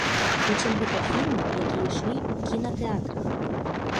Прычым гэта фільмы, якія ішлі ў кінатэатрах.